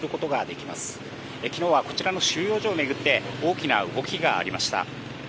きのうはこちらの収容所を巡って、大きな動きがありました。